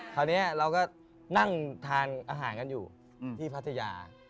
คราวนี้เราก็นั่งทานอาหารกันอยู่ที่พัทยา